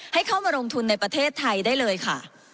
ให้เข้ามาลงทุนในประเทศไทยได้เลยค่ะ